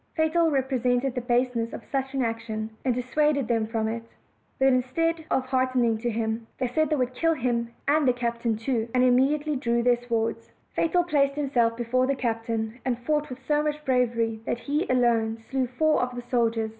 Fatal represented the base ness of such an action, and dissuaded them from it; but instead of hearkening to him, they said they would kill him and the captain too, and immediately drew their swords. Fatal placed himself before the captain, and fought with so much bravery that he alone slew four of the soldiers.